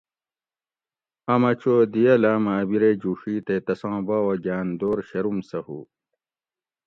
امہ چو دی اۤ لاۤمہ اۤ بیرے جوڛی تے تساں باوہ گۤان دور شروم سہۤ ہُو